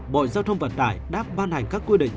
bộ giao thông vận tải đã ban hành các quy định